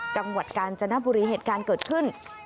จังหวัดกาญจนบุรีเหตุการณ์เกิดขึ้น